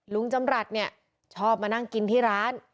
ลุงจำหลัดชอบมานั่งกินที่ร้าน